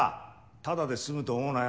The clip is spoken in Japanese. ただで済むと思うなよ。